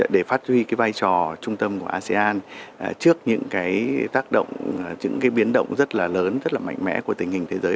để phát huy vai trò trung tâm của asean trước những biến động rất là lớn rất là mạnh mẽ của tình hình thế giới